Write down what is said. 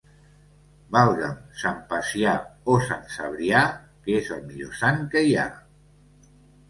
Valga'm Sant Pacià o Sant Cebrià, que és el millor sant que hi ha.